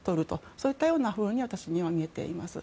そういったふうに私には見えています。